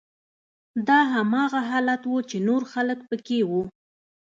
دا هماغه حالت و چې نور خلک پکې وو